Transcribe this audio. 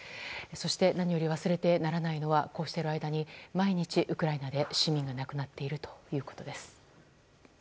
そして何より忘れてならないのはこうしている間に、毎日ウクライナで市民が亡くなっているということです。